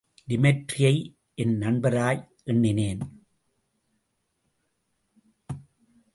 டிமெட்ரியை என் நண்பராய் எண்ணினேன்.